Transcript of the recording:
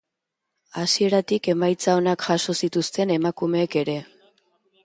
Hasieratik emaitza onak jaso zituzten emakumeek ere.